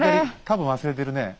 多分忘れてるねえ。